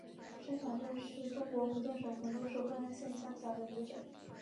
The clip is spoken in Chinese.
山霞镇是中国福建省泉州市惠安县下辖的一个镇。